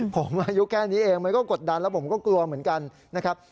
ผมอายุแค่นี้เองมันก็กดดันแล้วผมก็กลัวเหมือนกันนะครับ